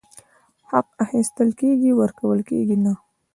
حق اخيستل کيږي، ورکول کيږي نه !!